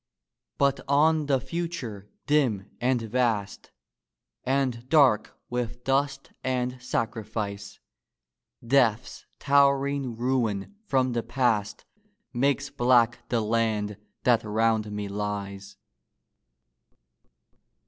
But on the future, dim and vast, And dark with dust and sacrifice, Death's towering ruin from the past Makes black the land that round me lies.